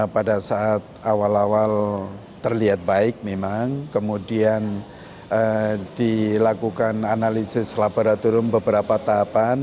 pada saat awal awal terlihat baik memang kemudian dilakukan analisis laboratorium beberapa tahapan